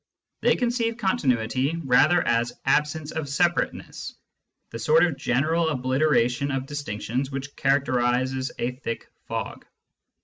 They conceive continuity rather as absence of separateness, the sort of general obliteration of distinctions which characterises a thick fog.